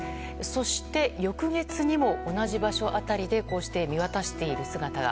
そして翌月にも、同じ場所辺りで見渡している姿が。